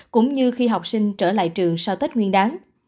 cũng như khi học sinh trở lại trường sau tết nguyên đáng